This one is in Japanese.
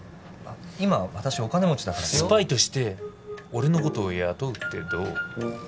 今私お金持ちだからスパイとして俺のことを雇うってどう？